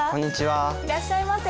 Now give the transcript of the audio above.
いらっしゃいませ。